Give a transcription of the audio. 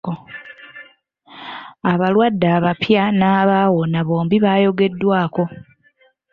Abalwadde abapya n'abaawona bombi baayogeddwako.